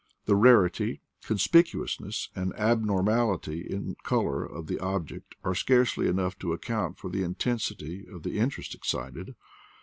The rarity, conspicuousness, and abnormality in color of the object are scarcely enough to account for the intensity of the interest excited.